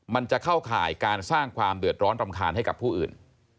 มันจะเข้าข่ายการสร้างความเดือดร้อนรำคาญให้กับผู้อื่น